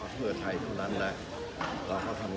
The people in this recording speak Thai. สวัสดีครับ